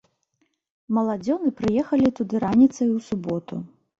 Маладзёны прыехалі туды раніцай у суботу.